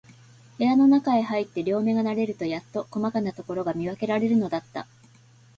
部屋のなかへ入って、両眼が慣れるとやっと、こまかなところが見わけられるのだった。